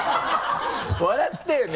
笑ったよね？